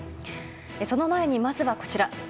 その前に、まずはこちら。